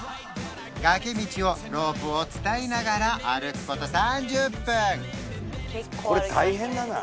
崖道をロープを伝いながら歩くこと３０分結構歩きますね